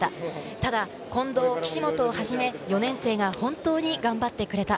ただ近藤、岸本をはじめ４年生が本当に頑張ってくれた。